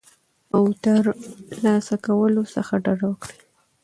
او ترلاسه کولو څخه ډډه وکړه